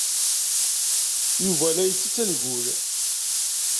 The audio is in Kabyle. Yuba la ittett angul.